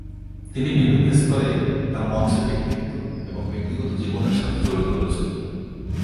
তিনি বিভিন্ন স্তরে, তার মঞ্চে ব্যক্তিত্ব এবং ব্যক্তিগত জীবনের সাথে জড়িত রয়েছেন।